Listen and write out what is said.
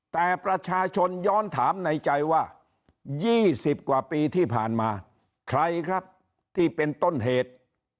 แต่ประชาชนย้อนถามในใจว่า๒๐กว่าปีที่ผ่านมาใครครับที่เป็นต้นเหตุ